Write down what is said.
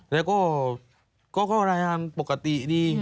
แล้วก็เข้ารายงานปกติดี